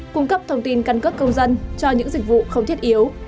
cung cấp thông tin căn cấp công dân cho những dịch vụ không thiết yếu